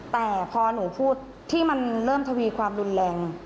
แต่พอหนูพูดที่มันเริ่มทวีความรุนแรง